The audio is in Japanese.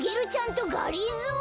とがりぞー。